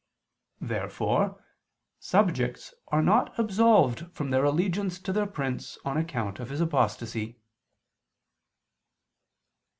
Therefore subjects are not absolved from their allegiance to their prince on account of his apostasy.